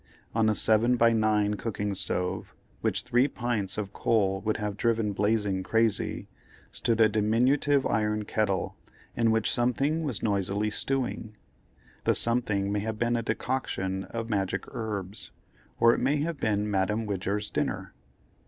On a seven by nine cooking stove, which three pints of coal would have driven blazing crazy, stood a diminutive iron kettle, in which something was noisily stewing; the something may have been a decoction of magic herbs, or it may have been Madame Widger's dinner.